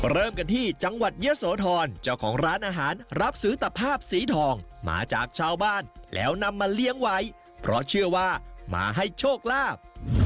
เริ่มกันที่จังหวัดเยอะโสธรเจ้าของร้านอาหารรับซื้อตะภาพสีทองมาจากชาวบ้านแล้วนำมาเลี้ยงไว้เพราะเชื่อว่ามาให้โชคลาภ